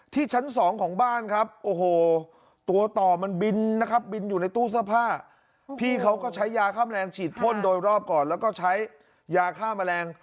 ชั้นสองของบ้านครับโอ้โหตัวต่อมันบินนะครับบินอยู่ในตู้เสื้อผ้าพี่เขาก็ใช้ยาข้ามแรงฉีดพ่นโดยรอบก่อนแล้วก็ใช้ยาฆ่าแมลง